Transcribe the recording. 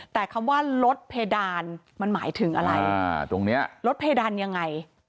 แต่คำว่าลดเพดานมันหมายถึงอะไรลดเพดานยังไง